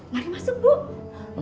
mari masuk bu